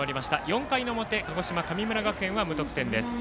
４回の表、鹿児島、神村学園は無得点です。